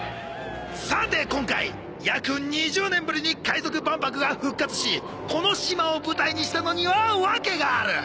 さて今回約２０年ぶりに海賊万博が復活しこの島を舞台にしたのには訳がある！